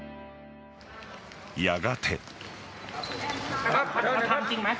やがて。